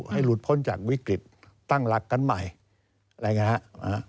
ให้หลุดพ้นจากวิกฤตตั้งหลักกันใหม่อะไรไงฮะ